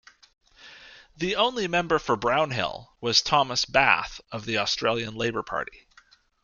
The only Member for Brown Hill was Thomas Bath of the Australian Labor Party.